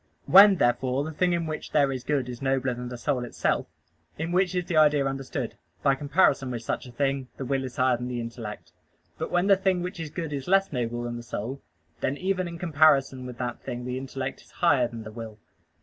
When, therefore, the thing in which there is good is nobler than the soul itself, in which is the idea understood; by comparison with such a thing, the will is higher than the intellect. But when the thing which is good is less noble than the soul, then even in comparison with that thing the intellect is higher than the will.